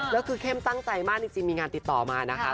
แล้วคือเข้มตั้งใจมากจริงมีงานติดต่อมานะคะ